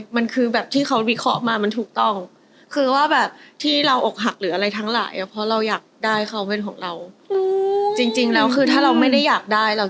มันคือแบบที่เขาริเคราะห์มามันถูกต้อง